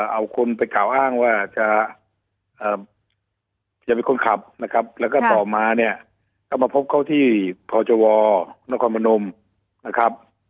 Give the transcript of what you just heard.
เอาคนไปกล่าวอ้างว่าจะเป็นคนขับนะครับแล้วก็ต่อมาเนี่ยก็มาพบเขาที่พจวนครพนมนะครับ